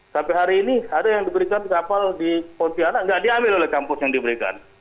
sampai hari ini ada yang diberikan kapal di pontianak nggak diambil oleh kampus yang diberikan